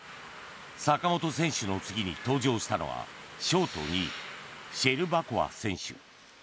坂本選手の次に登場したのはショート２位シェルバコワ選手。